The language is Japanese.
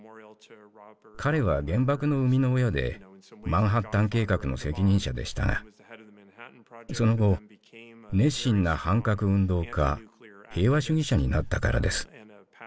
彼は原爆の生みの親でマンハッタン計画の責任者でしたがその後熱心な反核運動家平和主義者になったからです。